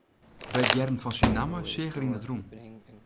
By it hearren fan syn namme seach er yn it rûn.